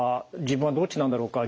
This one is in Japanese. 自分はどっちなんだろうか。